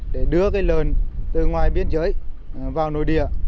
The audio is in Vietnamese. để đưa cái lợn từ ngoài biên giới vào nội địa